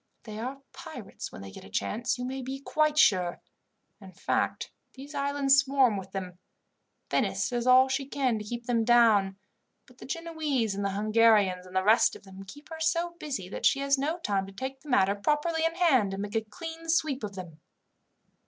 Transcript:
They are pirates when they get a chance, you may be quite sure. In fact, these islands swarm with them. Venice does all she can to keep them down, but the Genoese, and the Hungarians, and the rest of them, keep her so busy that she has no time to take the matter properly in hand, and make a clean sweep of them."